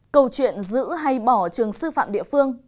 câu chuyện giữ hay bỏ trường sư phạm địa phương